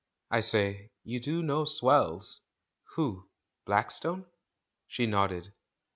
I say, you do know swells !" "Who, Blackstone?" She nodded.